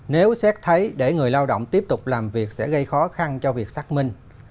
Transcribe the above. nếu xét thấy để người lao động tiếp tục làm việc sẽ gây khó khăn cho việc xác minh